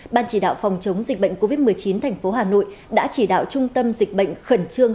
ban chỉ đạo phòng chống dịch bệnh covid một mươi chín tp hcm đã chỉ đạo trung tâm dịch bệnh khẩn trương